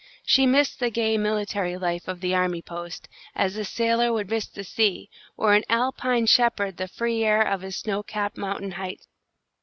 She missed the gay military life of the army post, as a sailor would miss the sea, or an Alpine shepherd the free air of his snow capped mountain heights.